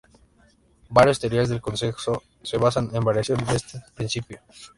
Varias teorías del consenso se basan en variaciones de este principio.